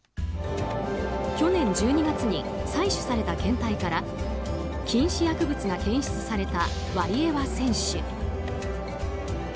去年１２月に採取された検体から禁止薬物が検出されたワリエワ選手。